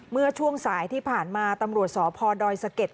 เมื่อช่วงสายที่ผ่านมาตำรวจสพดอยสะเก็ด